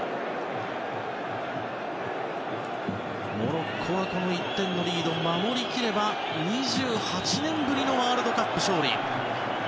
モロッコはこの１点のリードを守り切れば、２８年ぶりのワールドカップ勝利。